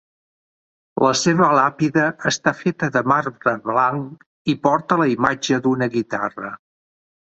La seva làpida està feta de marbre blanc i porta la imatge d'una guitarra.